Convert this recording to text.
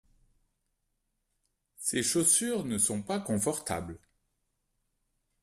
Ces chaussures ne sont pas confortables.